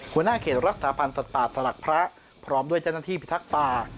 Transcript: หัวหน้าเขตรักษาพันธ์สัตว์ป่าสลักพระพร้อมด้วยเจ้าหน้าที่พิทักษ์ป่า